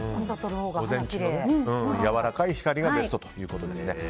午前中のやわらかい光がベストということですね。